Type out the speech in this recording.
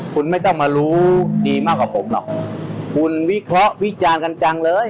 คุณไม่ต้องมารู้ดีมากกว่าผมหรอกคุณวิเคราะห์วิจารณ์กันจังเลย